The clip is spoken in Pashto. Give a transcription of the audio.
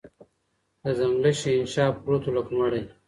د ځنګله شهنشاه پروت وو لکه مړی